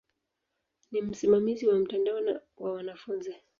Ni msimamizi wa mtandao na wa wanafunzi.